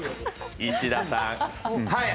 石田さん。